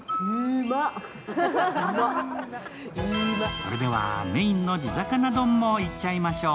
それではメインの地魚丼もいっちゃいましょう。